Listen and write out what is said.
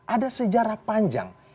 ada sejarah panjang